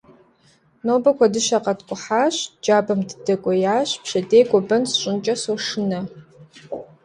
Нобэ куэдыщэ къэткӏухьащ, джабэми дыдэкӏуеящ, пщэдей гуэбэн сщӏынкӏэ сошынэ.